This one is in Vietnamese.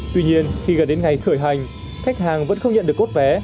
tuy nhiên khi gần đến ngày khởi hành khách hàng vẫn không nhận được cốt vé